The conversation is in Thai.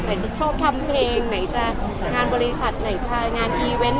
ชอบทำเพลงไหนจะงานบริษัทไหนไทยงานอีเวนต์